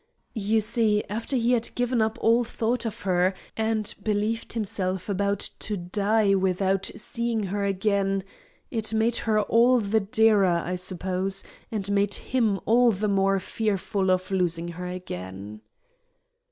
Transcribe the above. You see, after he had given up all thought of her, and believed himself about to die without seeing her again, it made her all the dearer, I suppose, and made him all the more fearful of losing her again.